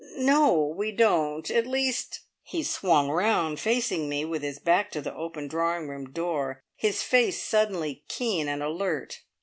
"No. We don't. At least " He swung round, facing me, with his back to the open drawing room door, his face suddenly keen and alert.